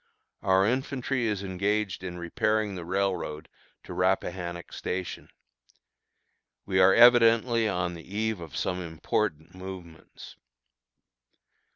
Our infantry is engaged in repairing the railroad to Rappahannock Station. We are evidently on the eve of some important movements.